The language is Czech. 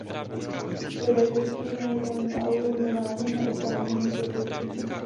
Lidé, kteří jsou zranitelní a ovlivňováni neoprávněným propouštěním.